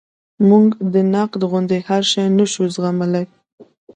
موږ د نقد غوندې هر شی نشو زغملی.